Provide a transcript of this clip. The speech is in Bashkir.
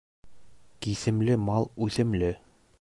Киҫемле мал үҫемле.